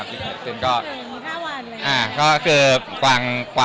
แบ่งครอบครัว